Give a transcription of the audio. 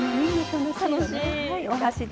楽しい！